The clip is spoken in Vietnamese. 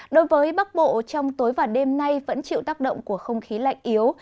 đối với bắc bộ trong tối và đêm nay vẫn chịu tác động của không khí lạnh yếu